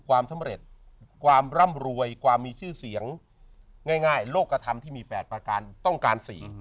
ความสำเร็จความร่ำรวยความมีชื่อเสียงง่ายโลกกระทำที่มี๘ประการต้องการ๔